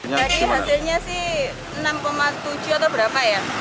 jadi hasilnya sih enam tujuh atau berapa ya